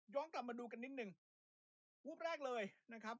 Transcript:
กลับมาดูกันนิดนึงรูปแรกเลยนะครับ